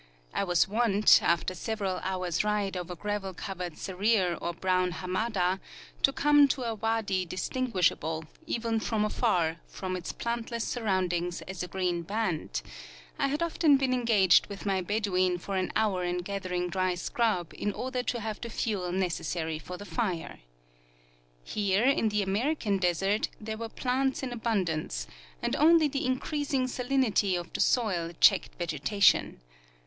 I was wont, after several hours' ride over gravel covered serir or brown hamada, to come to a wadi distinguishable, even from afar, from its plantless surroundings as a green band ; I had often been engaged with my bedouin for an hour in gathering dry scrub in order to have the fuel necessary for the fire. Here in the American desert there Avere plants in abundance, and only the increasing salinity of the soil checked vegetation.